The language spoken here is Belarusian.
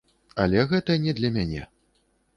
Але гэта не для мяне.